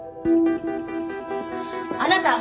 あなた。